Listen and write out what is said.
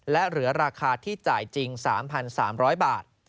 และเหลือราคาที่จ่ายจริง๓๓๐๐บาท